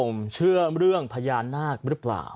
ผมเชื่อเรื่องพญานาคหรือเปล่า